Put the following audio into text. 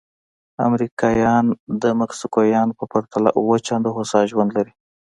امریکایان د مکسیکویانو په پرتله اووه چنده هوسا ژوند لري.